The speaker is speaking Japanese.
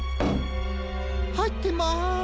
はいってます。